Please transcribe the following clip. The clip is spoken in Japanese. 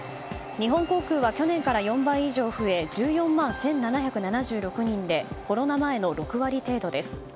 日本航空は去年から４倍以上増え１４万１７７６人でコロナ前の６割程度です。